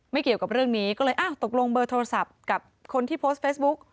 เกี่ยวกับเรื่องนี้ก็เลยอ้าวตกลงเบอร์โทรศัพท์กับคนที่โพสต์เฟซบุ๊ก